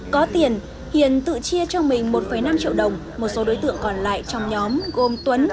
có tiền hiền tự chia cho mình một năm triệu đồng một số đối tượng còn lại trong nhóm gồm tuấn